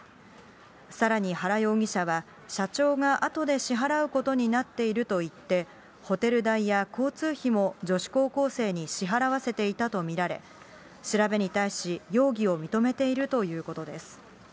さらに原容疑者は、社長があとで支払うことになっていると言って、ホテル代や交通費も女子高校生に支払わせていたと見られ、調べに対し、容疑を認めているということです。